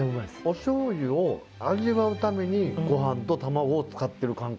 おしょうゆを味わうためにごはんと卵を使ってる感覚。